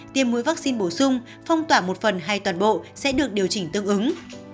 tiêm mũi vaccine bổ sung phong tỏa một phần hay toàn bộ sẽ được điều chỉnh tương ứng